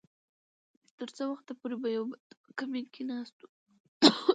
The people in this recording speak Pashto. تر څه وخته پورې به يو بل ته په کمين کې ناست وو .